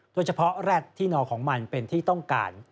โดยเฉพาะแร็ดที่หนอของมันเป็นที่ต้องการ